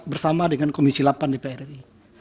bersama dengan komisi delapan di prri